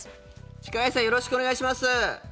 力石さんよろしくお願いします。